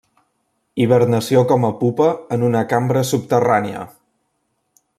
Hibernació com a pupa en una cambra subterrània.